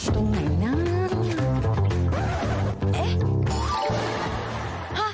ตรงไหนนะ